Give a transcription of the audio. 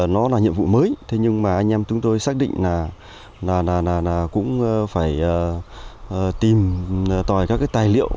nó là nhiệm vụ mới nhưng anh em chúng tôi xác định là cũng phải tìm tòi các tài liệu